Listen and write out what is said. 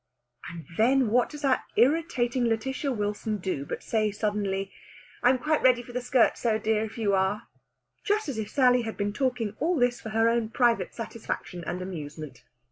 And then what does that irritating Lætitia Wilson do but say suddenly, "I'm quite ready for the scherzo, dear, if you are." Just as if Sally had been talking all this for her own private satisfaction and amusement!